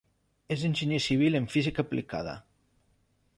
És enginyer civil en física aplicada.